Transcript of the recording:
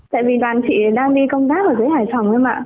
tại vì đoàn chị đang đi công tác ở dưới hải phòng thôi mà